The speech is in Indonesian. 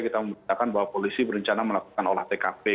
kita memberitakan bahwa polisi berencana melakukan olah tkp